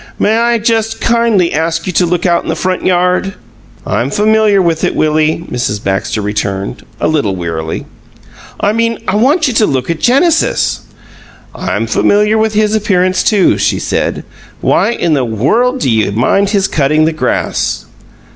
"May I just kindly ask you to look out in the front yard?" "I'm familiar with it, Willie," Mrs. Baxter returned, a little wearily. "I mean I want you to look at Genesis." "I'm familiar with his appearance, too," she said. "Why in the world do you mind his cutting the grass?"